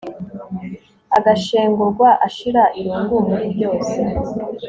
agashengurwa ashira irungu muri byose